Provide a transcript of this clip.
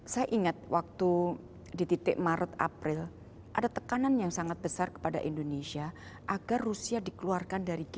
saya ingat waktu di titik maret april ada tekanan yang sangat besar kepada indonesia agar rusia dikeluarkan dari g dua puluh